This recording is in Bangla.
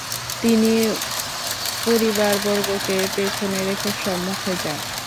তিনি পরিবারবর্গকে পেছনে রেখে সম্মুখে যান।